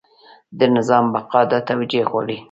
د نظام بقا دا توجیه غواړي.